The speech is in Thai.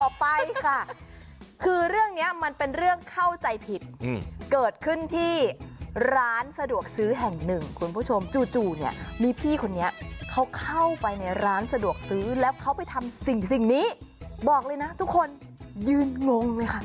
ไปค่ะคือเรื่องนี้มันเป็นเรื่องเข้าใจผิดเกิดขึ้นที่ร้านสะดวกซื้อแห่งหนึ่งคุณผู้ชมจู่เนี่ยมีพี่คนนี้เขาเข้าไปในร้านสะดวกซื้อแล้วเขาไปทำสิ่งนี้บอกเลยนะทุกคนยืนงงเลยค่ะ